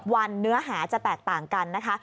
วันเนื้อหาจะแตกต่างกันนะคะ